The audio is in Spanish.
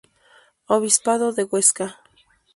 Obispado de Huesca.